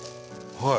はい。